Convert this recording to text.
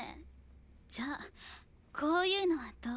じゃこういうのはどう？